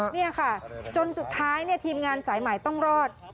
นี่ค่ะจนสุดท้ายทีมงานสายใหม่ต้องรอด